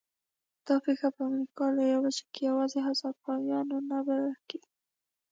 دا پېښه په امریکا لویه وچه کې یوازې هسپانویان نه بلل کېږي.